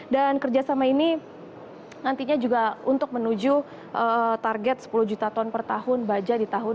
dan kerjasama ini nantinya juga untuk menuju target sepuluh juta ton per tahun baja di tahun dua ribu dua puluh lima